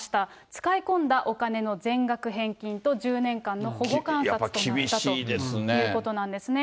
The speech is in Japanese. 使い込んだお金の全額返金と１０年間の保護観察となったというこやっぱ厳しいですね。